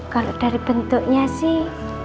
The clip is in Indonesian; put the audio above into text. kalau dari bentuknya sih